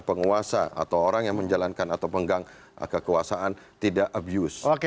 penguasa atau orang yang menjalankan atau menggang kekuasaan tidak abuse